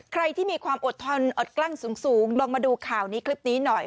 ใครที่มีความอดทนอดกลั้นสูงลองมาดูข่าวนี้คลิปนี้หน่อย